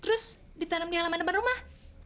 terus ditanam di halaman depan rumah